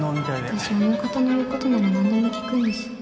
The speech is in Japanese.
私あの方の言うことなら何でも聞くんです